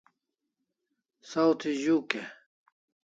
Saw thi z'uk e?